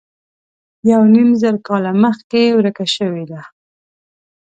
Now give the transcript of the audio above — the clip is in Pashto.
یو نیم زر کاله مخکې ورکه شوې ده.